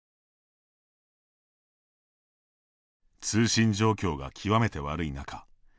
通信状況が極めて悪い中